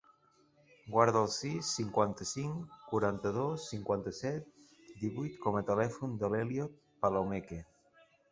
Guarda el sis, vuitanta-cinc, quaranta-dos, cinquanta-set, divuit com a telèfon de l'Elliot Palomeque.